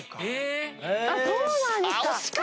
そうなんですか！